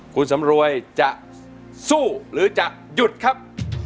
คุณสำรวยจะสู้หรือจะหยุดครับ